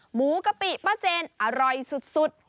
หมูกะปิป้าเจนอร่อยสุด